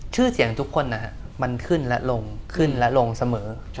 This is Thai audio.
ชื่อเสียงทุกคนมันขึ้นและลงขึ้นและลงเสมอ